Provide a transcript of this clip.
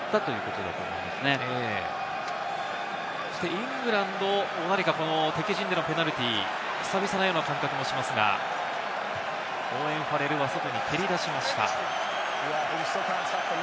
イングランド、何か敵陣でのペナルティー、久々のような感覚もしますが、オーウェン・ファレルは外に蹴り出しました。